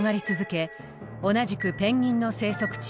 同じくペンギンの生息地